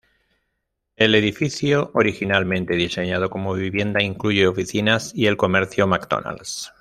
El edificio, originalmente diseñado como vivienda, incluye oficinas y el comercio McDonalds.